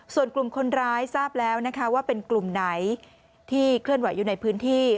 ส่วนกลุ่มคนร้ายทราบแล้วนะคะว่าเป็นกลุ่มไหนที่เคลื่อนไหวอยู่ในพื้นที่